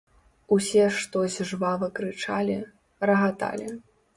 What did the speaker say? Усе штось жвава крычалі, рагаталі.